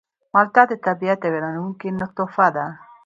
مالټه د طبیعت یوه حیرانوونکې تحفه ده.